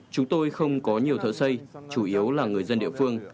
chúng tôi không có nhiều thợ xây chủ yếu là người dân địa phương